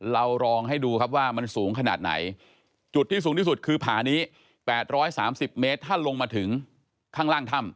เรารองให้ดูครับว่ามันสูงขนาดไหน